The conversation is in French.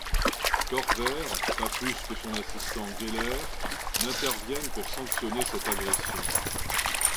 Corver, pas plus que son assistant Geller, n'interviennent pour sanctionner cette agression.